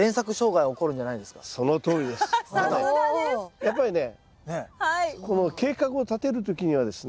やっぱりねこの計画をたてるときにはですね